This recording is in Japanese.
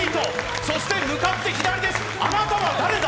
そして向かって左です、あなたは誰だ？